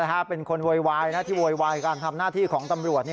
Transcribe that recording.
เป็นคนโวยวายที่โวยวายการทำหน้าที่ของตำรวจ